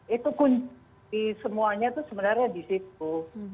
itu kunci semuanya itu sebenarnya di situ